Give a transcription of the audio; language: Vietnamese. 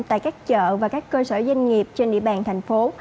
tại các chợ và các cơ sở doanh nghiệp trên địa bàn thành phố